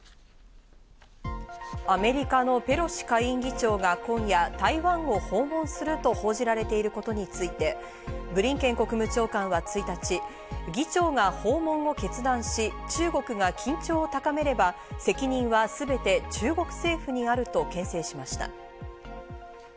アメリカのペロシ下院議長が今夜、台湾を訪問すると報じられていることについて、ブリンケン国務長官は１日、議長が訪問を決断し、中国が緊張を高めれば、責任は全て中国政府にあるとけん制しました。